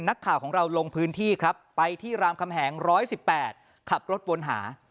นักข่าวของเราลงพื้นที่ครับไปที่รามคำแหง๑๑๘ขับรถวนหา